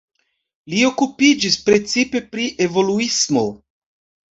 Li okupiĝis precipe pri evoluismo.